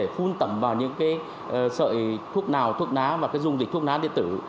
phun tẩm vào những cái sợi thuốc nào thuốc lá và cái dùng dịch thuốc lá điện tử